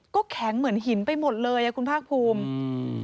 ก็แข็งเหมือนหินไปหมดเลยอ่ะคุณภาคภูมิอืม